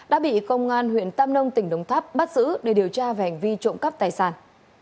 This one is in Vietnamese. đã bị công an huyện tam nông tỉnh đồng tháp bắt giữ để điều tra về hành vi trộm cắp tài sản